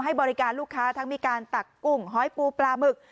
ให้บริการลูกค้าทั้งมีการตักกุ้งหอยปูปลาหมึก